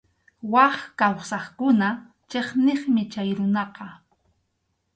Wak kawsaqkuna chiqniqmi chay runaqa.